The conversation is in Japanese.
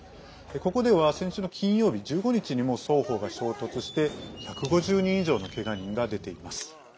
ここでは先週の金曜日１５日にも双方が衝突して、１５０人以上のけが人が出ています。